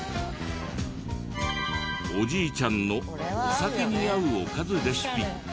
おじいちゃんのお酒に合うおかずレシピ。